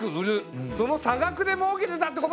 その差額でもうけてたってことか！